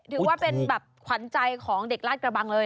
ถือว่าเป็นแบบขวัญใจของเด็กลาดกระบังเลย